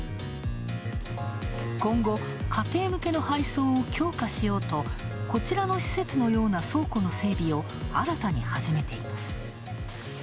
今後、家庭向けの配送を強化しようとこちらの施設のような倉庫の整備を新たに始めています。